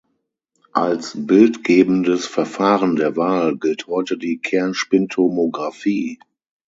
Als Bildgebendes Verfahren der Wahl gilt heute die Kernspintomographie.